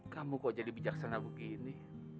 kamu kok jadi bijaksana begini